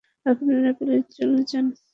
আপনারা প্লিজ চলে যান।